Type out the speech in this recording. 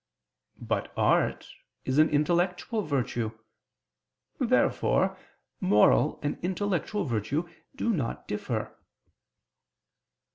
But art is an intellectual virtue. Therefore moral and intellectual virtue do not differ.